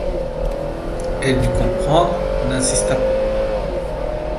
Elle dut comprendre, n’insista point.